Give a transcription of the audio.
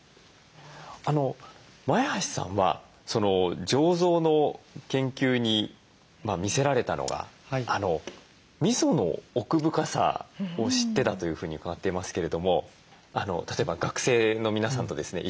前橋さんは醸造の研究に魅せられたのがみその奥深さを知ってだというふうに伺っていますけれども例えば学生の皆さんとですね